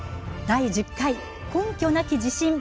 第１０回「根拠なき自信」